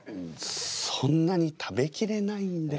そんなに食べきれないんで。